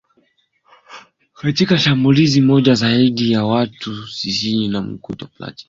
Katika shambulizi moja, zaidi ya watu sitini huko Plaine Savo kwenye eneo la Djubu waliuawa hapo